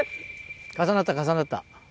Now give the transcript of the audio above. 重なった重なった。